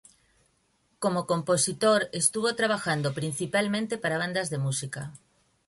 Como compositor, estuvo trabajando principalmente para bandas de música.